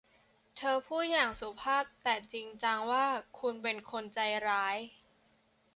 เธอพูดอย่างสุภาพแต่จริงจังว่า คุณเป็นคนใจร้าย